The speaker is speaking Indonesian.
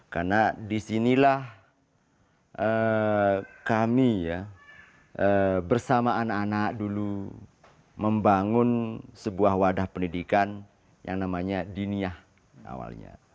karena di sinilah kami bersama anak anak dulu membangun sebuah wadah pendidikan yang namanya diniah awalnya